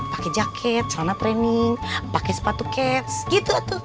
pake jaket sauna training pake sepatu kets gitu tuh